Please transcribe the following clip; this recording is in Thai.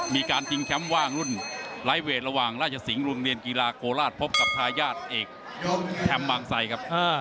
มีการชิงแชมป์ว่างรุ่นไลฟ์เวทระหว่างราชสิงห์โรงเรียนกีฬาโคราชพบกับทายาทเอกแชมป์บางไซครับ